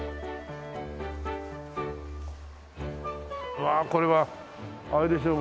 うわあこれはあれでしょ。